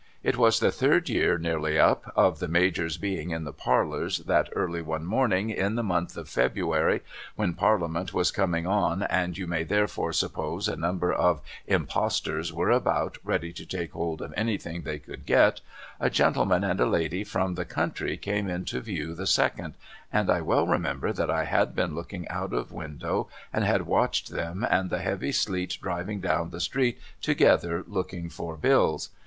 It was the third year nearly up of the Major's being in the parlours that early one morning in the month of February when Parliament was coming on and you may therefore suppose a number of impostors were about ready to take hold of anything they could get, a gentleman and a lady from the country came in to view the Second, and I well remember that I had been looking out of window and had watched them and the heavy sleet driving down the street together looking for bills.